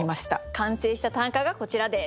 完成した短歌がこちらです。